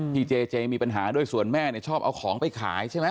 เจเจมีปัญหาด้วยส่วนแม่เนี่ยชอบเอาของไปขายใช่ไหม